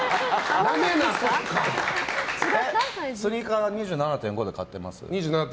スニーカー２７．５で買ってます？